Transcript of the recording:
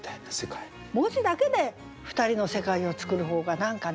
文字だけで２人の世界をつくる方が何かね